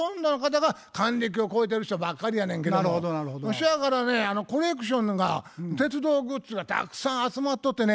そやからねコレクションが鉄道グッズがたくさん集まっとってね。